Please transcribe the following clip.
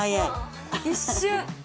一瞬。